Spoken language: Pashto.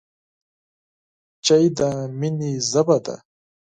چای د مینې ژبه ده.